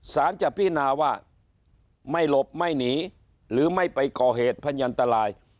สารจะพินาว่าไม่หลบไม่หนีหรือไม่ไปก่อเหตุพันยันตราย